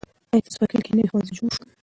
آیا ستاسو په کلي کې نوی ښوونځی جوړ سو؟